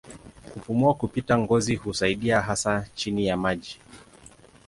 Kupumua kupitia ngozi husaidia hasa chini ya maji.